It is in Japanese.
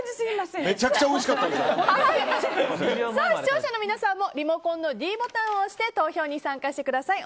視聴者の皆さんもリモコンのｄボタンを押して投票に参加してください。